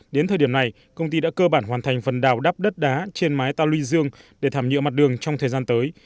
đến thời điểm này công ty đã cơ bản hoàn thành phần đào đắp đất đá trên mái tàu luy dương để thảm nhựa mặt đường trong thời gian tới